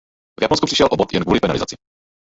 V Japonsku přišel o bod jen kvůli penalizaci.